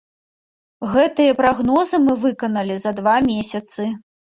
Гэтыя прагнозы мы выканалі за два месяцы.